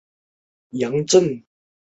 曾祖父张宽甫。